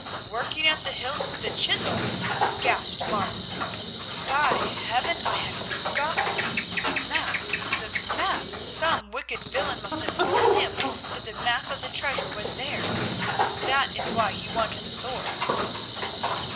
"Working at the hilt with a chisel?" gasped Martin. "By Heaven, I had forgotten! The map, the map! Some wicked villain must have told him that the map of the treasure was there—that is why he wanted the sword."